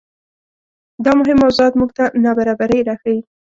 دا مهم موضوعات موږ ته نابرابرۍ راښيي.